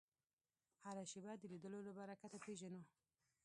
هره شېبه د لیدلو له برکته پېژنو